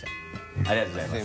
ありがとうございます。